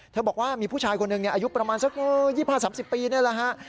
บอกว่ามีผู้ชายคนหนึ่งอายุประมาณสัก๒๕๓๐ปีนี่แหละฮะ